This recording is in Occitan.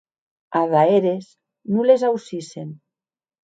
Ada eres non les aucissen.